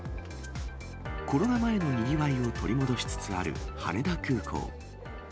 コロナ前のにぎわいを取り戻しつつある羽田空港。